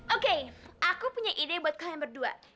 oke aku punya ide buat kalian berdua